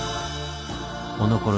おのころ